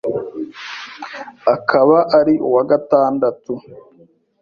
akaba ari uwa gatandatu